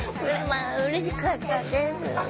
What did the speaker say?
うれしかったです。